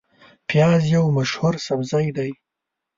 پیاز یو مشهور سبزی دی